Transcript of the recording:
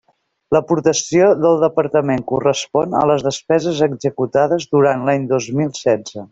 L'aportació del Departament correspon a les despeses executades durant l'any dos mil setze.